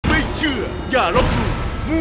ไม่เชื่ออย่าลบหลู่